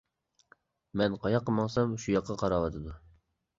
مەن قاياققا ماڭسام شۇ ياققا قاراۋاتىدۇ.